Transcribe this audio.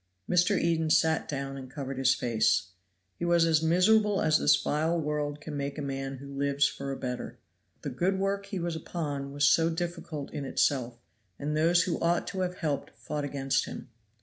Mr. Eden sat down and covered his face. He was as miserable as this vile world can make a man who lives for a better. The good work he was upon was so difficult in itself, and those who ought to have helped fought against him.